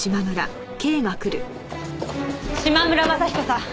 島村雅彦さん